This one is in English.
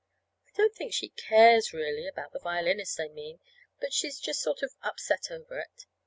I don't think she cares really about the violinist, I mean but she's just sort of upset over it.